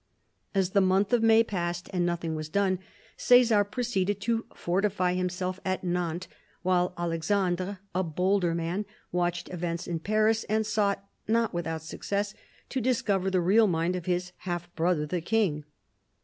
As the month of May passed, and nothing was done, Cesar proceeded to fortify himself at Nantes, while Alexandre, a bolder man, watched events in Paris and sought, not without success, to discover the real mind of his half brother the King.